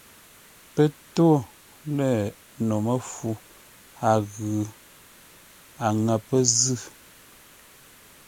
Pə́ tô lə́ no məfu a ghʉ̂, a ŋə̂ pə́ zʉ̂.